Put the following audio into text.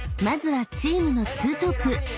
［まずはチームのツートップ］